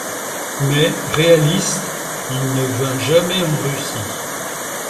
Mais, réaliste, il ne vint jamais en Russie.